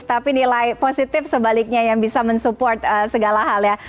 tapi nilai positif sebaliknya yang bisa mensupport segala hal ya